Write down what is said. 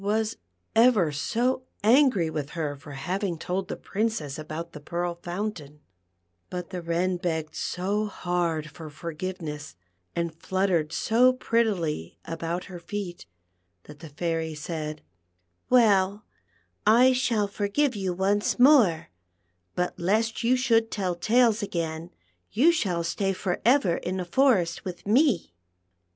23 was ever so angn' with her for having told tlic Princess about the Pearl Fountain, but the Wren begged so hard for forgiveness, and fluttered so prettily about her feet, that the Fairy said :" Well, I shall forgive you once more, but lest you should tell tales again, you shall stay for ever in the forest with me."